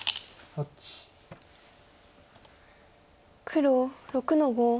黒６の五。